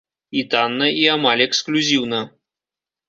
І танна, і амаль эксклюзіўна.